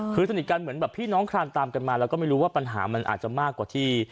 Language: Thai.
คือสนิทกันเหมือนแบบพี่น้องคลานตามกันมาแล้วก็ไม่รู้ว่าปัญหามันอาจจะมากกว่าที่